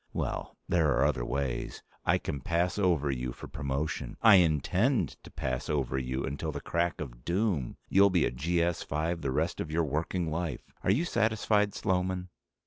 Well, there are other ways. I can pass over you for promotion. I intend to pass over you until the crack of doom. You'll be a GS 5 the rest of your working life. Are you satisfied, Sloman?